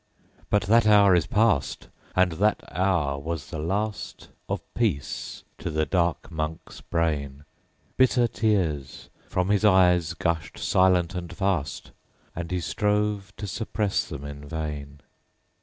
_15 3. But that hour is past; And that hour was the last Of peace to the dark Monk's brain. Bitter tears, from his eyes, gushed silent and fast; And he strove to suppress them in vain.